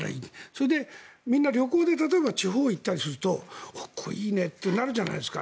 それでみんな旅行で例えば地方に行ったりするといいねとなるじゃないですか。